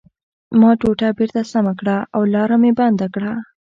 ما ټوټه بېرته سمه کړه او لاره مې بنده کړه